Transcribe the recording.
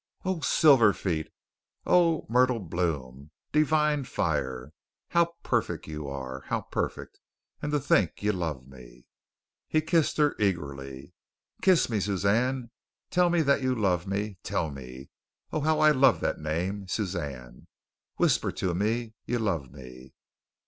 Oh, Silver Feet! Oh, Myrtle Bloom! Divine Fire! How perfect you are. How perfect! And to think you love me!" He kissed her eagerly. "Kiss me, Suzanne. Tell me that you love me. Tell me. Oh, how I love that name, Suzanne. Whisper to me you love me."